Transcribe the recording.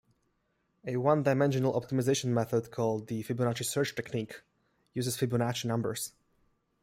A one-dimensional optimization method, called the Fibonacci search technique, uses Fibonacci numbers.